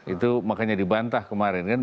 itu makanya dibantah kemarin kan